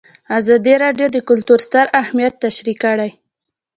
ازادي راډیو د کلتور ستر اهميت تشریح کړی.